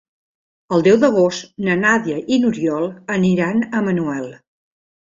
El deu d'agost na Nàdia i n'Oriol aniran a Manuel.